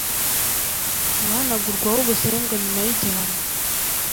Guhanagurwaho ubusembwa nyuma y igihano